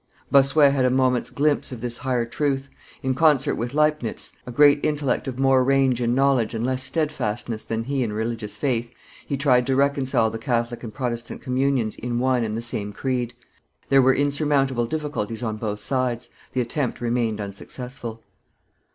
Bossuet had a moments glimpse of this higher truth; in concert with Leibnitz, a great intellect of more range in knowledge and less steadfastness than he in religious faith, he tried to reconcile the Catholic and Protestant communions in one and the same creed. There were insurmountable difficulties on both sides; the attempt remained unsuccessful.